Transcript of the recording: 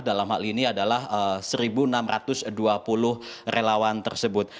dalam hal ini adalah satu enam ratus dua puluh relawan tersebut